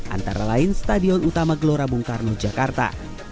antara lain stadion utama gelora bung karno jakarta